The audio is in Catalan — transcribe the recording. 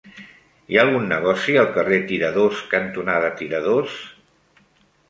Hi ha algun negoci al carrer Tiradors cantonada Tiradors?